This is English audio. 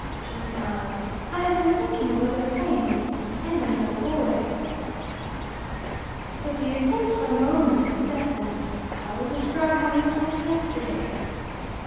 She smiled. "I have been thinking of other things, and another boy." "But do think for a moment of Stephen. I will describe how he spent yesterday.